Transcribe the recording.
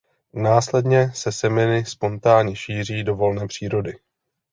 Následně se semeny spontánně šíří do volné přírody.